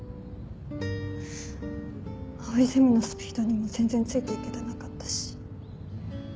藍井ゼミのスピードにも全然付いていけてなかったし。